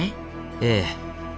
ええ。